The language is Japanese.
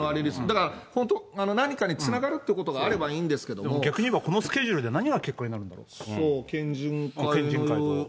だから本当、何かにつながるっていうことがあればいいんですけど逆に言えばこのスケジュールそう、県人会の。